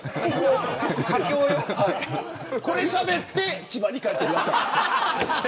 これしゃべって千葉に帰ってください。